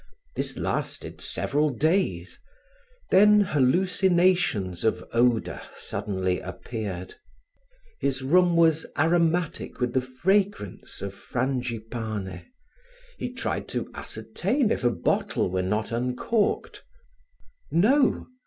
This lasted several days. Then hallucinations of odor suddenly appeared. His room was aromatic with the fragrance of frangipane; he tried to ascertain if a bottle were not uncorked no!